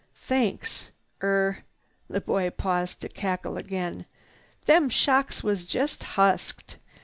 "Thanks! Er—" the boy paused to cackle again. "Them shocks was just husked.